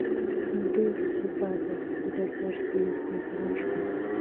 دوی وروسته په عباسي دربار کې وزیران شول